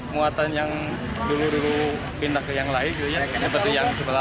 muatan yang dulu dulu pindah ke yang lain seperti yang sebelah